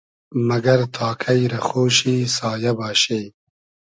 مئگئر تا کݷ رۂ خۉشی سایۂ باشی؟